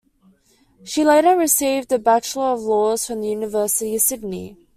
She later received a Bachelor of Laws from the University of Sydney.